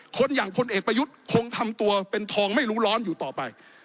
คนอย่างพลเอกประยุทธ์คงทำตัวเป็นทองไม่รู้ร้อนอยู่ต่อไป